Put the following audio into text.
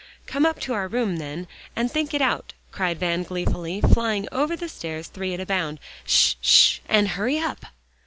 "Come up to our room, then, and think it out," cried Van gleefully, flying over the stairs three at a bound. "Sh sh! and hurry up!"